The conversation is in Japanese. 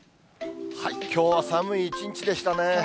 きょうは寒い一日でしたね。